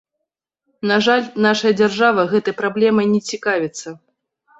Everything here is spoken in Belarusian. На жаль, нашая дзяржава гэтай праблемай не цікавіцца.